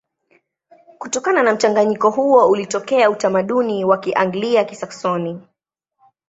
Kutokana na mchanganyiko huo ulitokea utamaduni wa Kianglia-Kisaksoni.